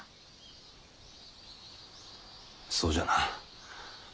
そうじゃな。